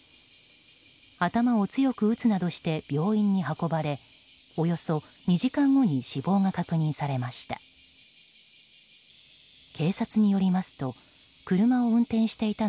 頭を強く打つなどして病院に運ばれおよそ２時間後に死亡が確認されました。